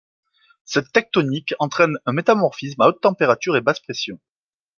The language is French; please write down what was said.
Cette tectonique régionale entraîne un métamorphisme à haute température et basse pression.